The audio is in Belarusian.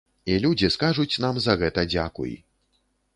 І людзі скажуць нам за гэта дзякуй.